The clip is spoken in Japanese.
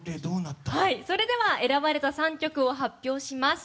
それでは選ばれた３曲を発表します。